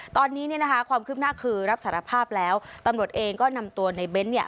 ตอนนี้เนี่ยนะคะความคืบหน้าคือรับสารภาพแล้วตำรวจเองก็นำตัวในเบ้นเนี่ย